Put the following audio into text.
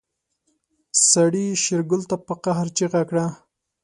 سړي شېرګل ته په قهر چيغه کړه.